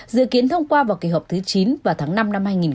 dự kiến thông qua vào kỳ họp thứ chín vào tháng năm năm hai nghìn hai mươi